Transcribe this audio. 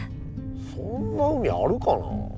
そんな海あるかな。